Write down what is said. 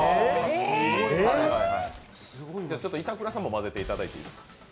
板倉さんも混ぜていただいていいですか？